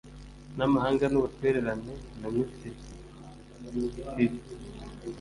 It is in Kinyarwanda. N amahanga n ubutwererane na minisitiri